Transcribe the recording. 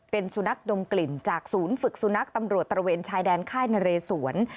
เป็นสุนัขดมกลิ่นจากศูนย์ฝึกสุนัขตำรวจตระเวนชายแดนค่ายนเรสวน